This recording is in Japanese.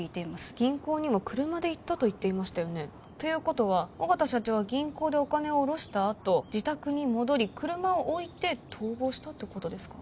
銀行には車で行ったと言っていましたよね？ということは緒方社長は銀行でお金を下ろしたあと自宅に戻り車を置いて逃亡したってことですか？